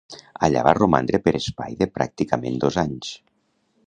Allà va romandre per espai de pràcticament dos anys.